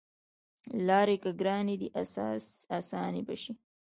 لاری که ګرانې دي اسانې به شي